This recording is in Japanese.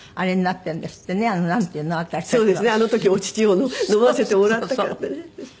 あの時お乳を飲ませてもらったからね。